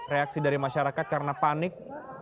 reaksi dari masyarakat karena panik